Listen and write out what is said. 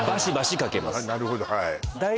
なるほどはい